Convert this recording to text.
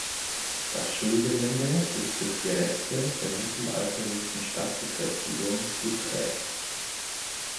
Das Schulgelände ist durch die Reste der mittelalterlichen Stadtbefestigung geprägt.